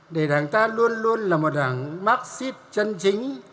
để đảng ta luôn luôn là một đảng mắc xít chân chính